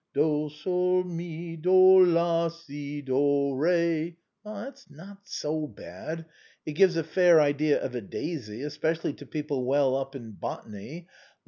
Do, sol, mi, do, la, si, do, re! That's not so bad; it gives a fair idea of a daisy, especially to people well up in botany.